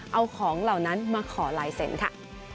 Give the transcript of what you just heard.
เอาของเหล่านั้นมาขอลายเซ็นต์ค่ะ